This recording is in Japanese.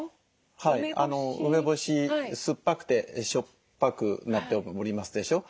梅干し酸っぱくてしょっぱくなっておりますでしょ。